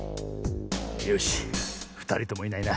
よしふたりともいないな。